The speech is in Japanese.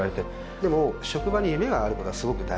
でも職場に夢があることはすごく大事で。